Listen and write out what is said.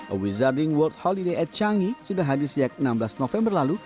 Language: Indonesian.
awizarding world holiday at changi sudah hadir sejak enam belas november lalu